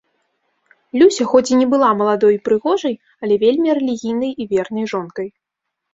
Люся хоць і не была маладой і прыгожай, але вельмі рэлігійнай і вернай жонкай.